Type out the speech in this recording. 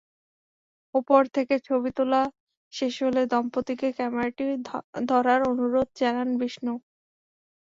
ওপর থেকে ছবি তোলা শেষ হলে দম্পতিকে ক্যামেরাটি ধরার অনুরোধ জানান বিষ্ণু।